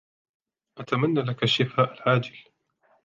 أتمنى لك الشفاء العاجل.